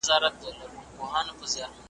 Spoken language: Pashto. زما ورور د خپلې دندې لپاره یو نوی سکرټ واخیست.